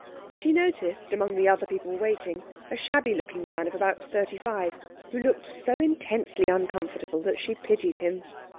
She noticed, among the other people waiting, a shabby looking man of about thirty five, who looked so intensely uncomfortable that she pitied him.